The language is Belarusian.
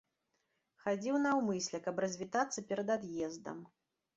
Хадзіў наўмысля, каб развітацца перад ад'ездам.